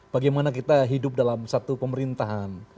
bagaimana kita hidup dalam satu pemerintahan